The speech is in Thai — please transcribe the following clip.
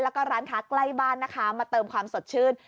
แล้วก็ร้านค้าใกล้บ้านนะคะมาเติมความสดชื่น